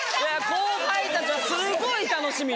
後輩たちはすごい楽しみに。